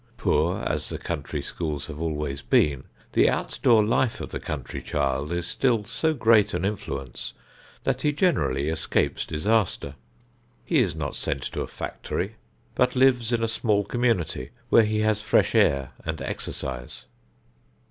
Poor as the country schools have always been, the outdoor life of the country child is still so great an influence that he generally escapes disaster. He is not sent to a factory, but lives in a small community where he has fresh air and exercise.